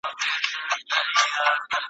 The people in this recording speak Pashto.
نه یوه ګوله مړۍ کړه چا وروړاندي ,